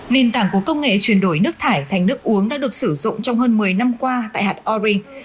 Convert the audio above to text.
nền tảng của công nghệ chuyển đổi nước thải thành nước uống đã được sử dụng trong hơn một mươi năm qua tại hạt oring